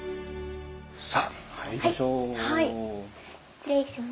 さあ入りましょう。